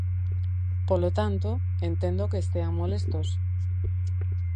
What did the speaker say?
Polo tanto, entendo que estean molestos.